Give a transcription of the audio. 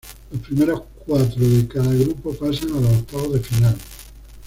Los primeros cuatro de cada grupo pasan a los octavos de final.